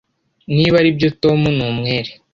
Niba aribyo Tom ni umwere